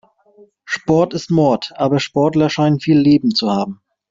Sport ist Mord, aber Sportler scheinen viele Leben zu haben.